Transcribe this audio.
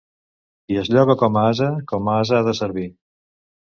Qui es lloga com a ase, com a ase ha de servir.